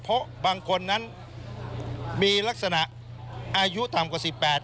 เพราะบางคนนั้นมีลักษณะอายุต่ำกว่า๑๘ปี